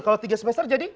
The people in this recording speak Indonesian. kalau tiga semester jadi